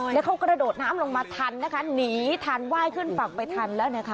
แล้วเขากระโดดน้ำลงมาทันนะคะหนีทันไหว้ขึ้นฝั่งไปทันแล้วนะคะ